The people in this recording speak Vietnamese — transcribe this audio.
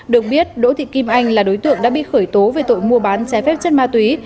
được biết đỗ thị kim anh là đối tượng đã bị khởi tố về tội mua bán trái phép chất ma túy